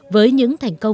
với những kế hoạch hoạt động